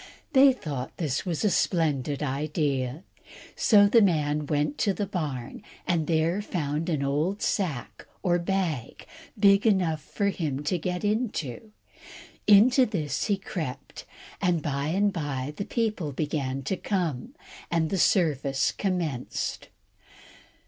They thought this was a splendid idea. So the man went to the barn, and there found an old sack or bag, big enough for him to get into. Into this he crept, and by and by the people began to come, and the service commenced.